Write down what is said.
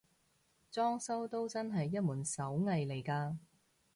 裝修都真係一門手藝嚟嘅